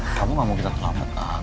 kamu gak mau kita selamatkan